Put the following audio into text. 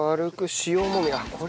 塩もみ。